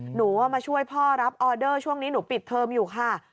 หนูมาช่วยพ่อรับออเดอร์ช่วงนี้หนูปิดเทอมอยู่ค่ะ